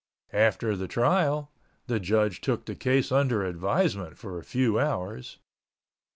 After the trial the judge took the case under advisement for a few hours.